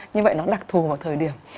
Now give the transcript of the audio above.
như vậy nó đặc thù vào thời điểm